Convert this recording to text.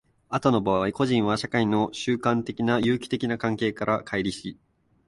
後の場合、個人は社会の習慣的な有機的な関係から乖離し、